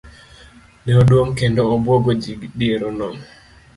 Ne oduong' kendo obuogo ji diereno.